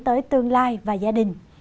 tới tương lai và gia đình